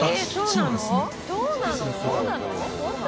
そうなの？